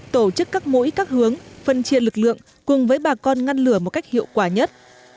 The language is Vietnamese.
tổ chức các mũi các hướng phân chia lực lượng cùng với bà con ngăn lửa một cách hiệu quả nhất